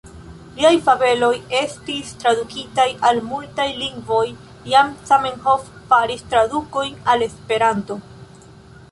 Liaj fabeloj estis tradukitaj al multaj lingvoj; jam Zamenhof faris tradukojn al Esperanto.